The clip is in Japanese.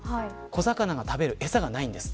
小魚が食べる餌がないんです。